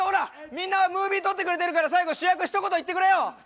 みんながムービー撮ってくれてるから最後主役ひと言言ってくれよ！